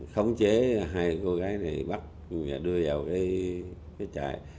khống chế hai cô gái này bắt và đưa vào cái trại